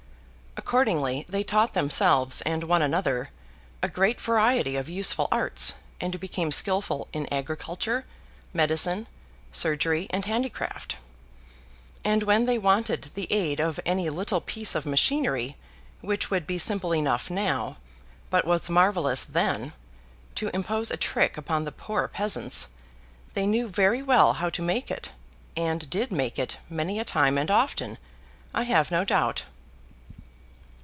Accordingly, they taught themselves, and one another, a great variety of useful arts; and became skilful in agriculture, medicine, surgery, and handicraft. And when they wanted the aid of any little piece of machinery, which would be simple enough now, but was marvellous then, to impose a trick upon the poor peasants, they knew very well how to make it; and did make it many a time and often, I have no doubt.